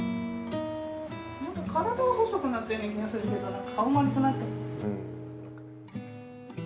何か体は細くなったような気がするけど顔丸くなった。